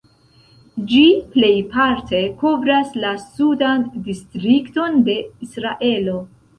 Ĝi plejparte kovras la Sudan Distrikton de Israelo.